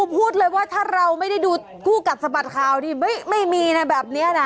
พูดเลยว่าถ้าเราไม่ได้ดูคู่กัดสะบัดข่าวนี่ไม่มีนะแบบนี้นะ